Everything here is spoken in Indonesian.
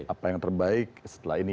apa yang terbaik setelah ini